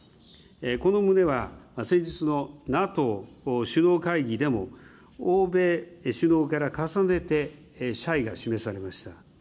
この旨は、先日のＮＡＴＯ首脳会議でも、欧米首脳から重ねて謝意が示されました。